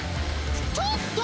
ちょっと！